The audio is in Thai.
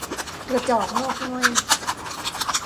กระจอกงอกง่อย